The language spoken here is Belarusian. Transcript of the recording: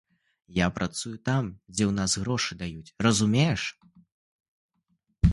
Я працую там, дзе ў нас грошы даюць, разумееш?